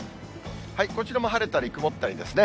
こちらも晴れたり曇ったりですね。